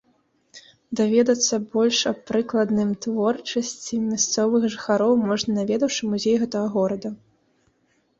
Даведацца больш аб прыкладным творчасці мясцовых жыхароў можна наведаўшы музей гэтага горада.